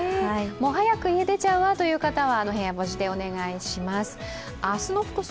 早く家、出ちゃうわという方は部屋干しでお願いします。